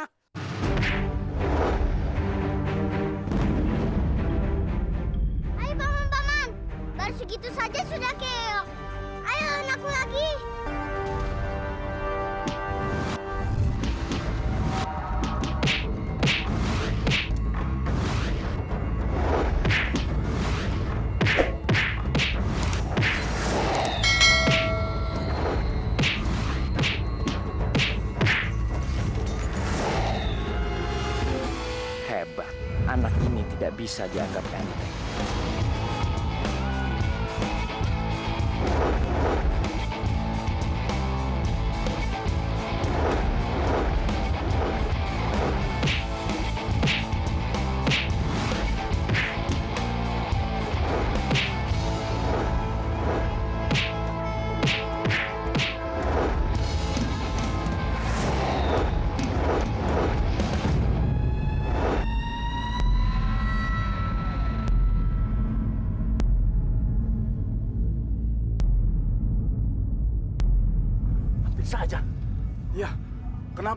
hai hai hai hai hai hai bambang mbak situ saja sudah ke tukoks